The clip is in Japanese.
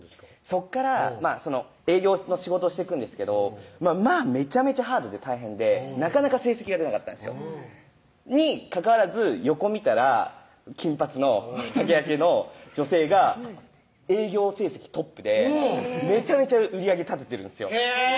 そっから営業の仕事をしていくんですけどまぁめちゃめちゃハードで大変でなかなか成績が出なかったんですよにかかわらず横見たら金髪の酒焼けの女性が営業成績トップでめちゃめちゃ売り上げ立ててるんすよへぇ！